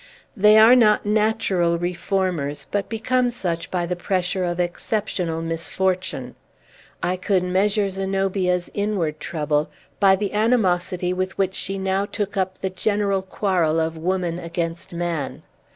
They are not natural reformers, but become such by the pressure of exceptional misfortune. I could measure Zenobia's inward trouble by the animosity with which she now took up the general quarrel of woman against man.